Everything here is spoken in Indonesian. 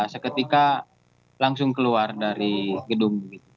seketika langsung keluar dari gedung